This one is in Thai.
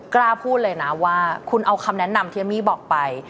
กล้าพูดเลยนะว่าคุณเอาคำแนะนำที่เอมมี่บอกไป